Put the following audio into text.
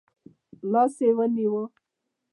لاس يې ونیو.